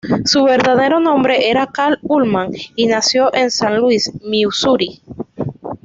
Su verdadero nombre era Carl Ullman, y nació en San Luis, Misuri.